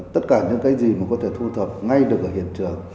tất cả những cái gì mà có thể thu thập ngay được ở hiện trường